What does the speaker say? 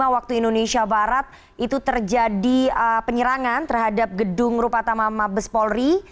enam belas empat puluh lima waktu indonesia barat itu terjadi penyerangan terhadap gedung rupata mama bespolri